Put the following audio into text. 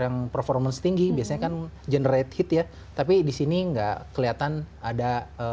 yang performance tinggi biasanya kan generate heat ya tapi disini enggak kelihatan ada